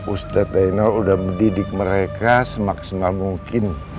ustaz jainal udah mendidik mereka semaksimal mungkin